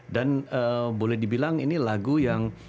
dan boleh dibilang ini lagu yang